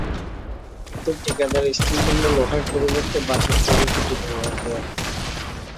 কিন্তু ঠিকাদার স্টিল কিংবা লোহার পরিবর্তে বাঁশের তৈরি খুঁটি ব্যবহার করেন।